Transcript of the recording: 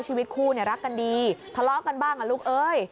ชีวิตคู่เนี่ยรักกันดีทะเลาะกันบ้างอ่ะลูกเอ้ย